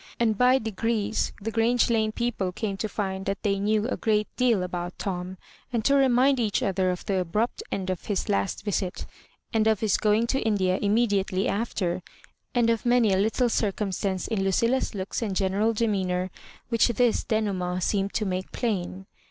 And by degrees the Grange Lane people came to find that they knew a great deal about Tc»n, and to remind each other of the abrupt end of his last visit, and of his go ing to India immediately after, and of many a little circumlStance in LuciUa's looks and gen eral demeanour which this denodemeni seemed to make plain.